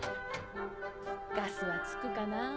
ガスはつくかなぁ？